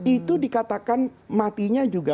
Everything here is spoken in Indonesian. itu dikatakan matinya juga